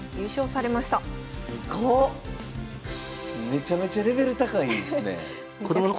めちゃめちゃレベル高いんですね。